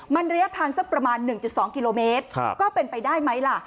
มันระยะทางสักประมาณ๑๒กิโลเมตรก็เป็นไปได้ไหมล่ะ